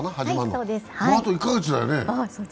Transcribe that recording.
もうあと１か月だよね。